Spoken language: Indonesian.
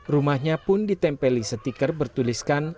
rumahnya pun ditempeli stiker bertuliskan